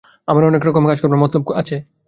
আমার অনেক রকম কাজ করবার মতলব আছে।